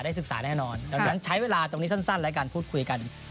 ศึกษาแน่นอนดังนั้นใช้เวลาตรงนี้สั้นและการพูดคุยกัน